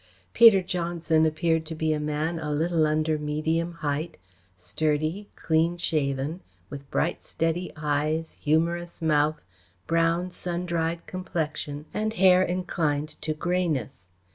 Peter Johnson appeared to be a man a little under medium height, sturdy, clean shaven, with bright, steady eyes, humorous mouth, brown, sun dried complexion and hair inclined to greyness.